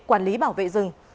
quản lý bảo vệ rừng